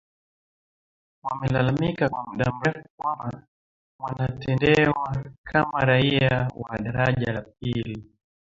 wamelalamika kwa muda mrefu kwamba wanatendewa kama raia wa daraja la pili